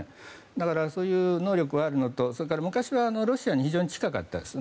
だから、そういう能力はあるのと昔はロシアに非常に近かったです。